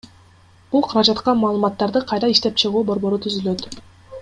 Бул каражатка Маалыматтарды кайра иштеп чыгуу борбору түзүлөт.